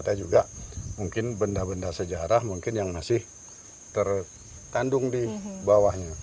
ada juga mungkin benda benda sejarah mungkin yang masih terkandung di bawahnya